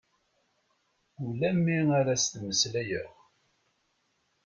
Ula mi ara as-ttmeslayeɣ.